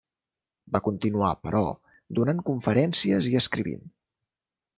Va continuar, però, donant conferències i escrivint.